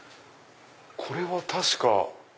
これは確か。